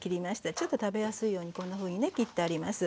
ちょっと食べやすいようにこんなふうにね切ってあります。